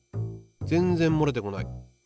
全然もれてこない！